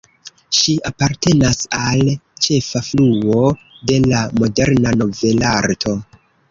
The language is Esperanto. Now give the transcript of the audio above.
Ŝi apartenas al ĉefa fluo de la moderna novelarto.